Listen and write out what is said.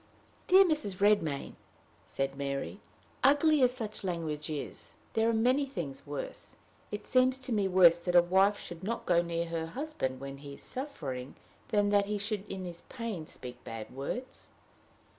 "Dear Mrs. Redmain," said Mary, "ugly as such language is, there are many things worse. It seems to me worse that a wife should not go near her husband when he is suffering than that he should in his pain speak bad words."